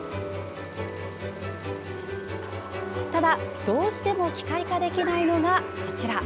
ただ、どうしても機械化できないのが、こちら。